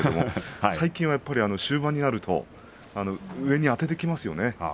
最近はやっぱり終盤になると上にあててきますよね。